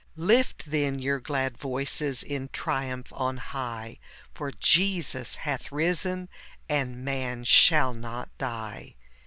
Lift, then, your glad voices in triumph on high, For Jesus hath risen, and man shall not die.